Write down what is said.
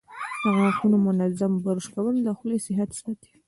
د غاښونو منظم برش کول د خولې صحت ساتي.